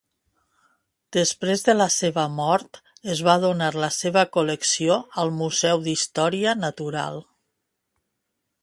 Després de la seva mort, es va donar la seva col·lecció al museu d'història natural.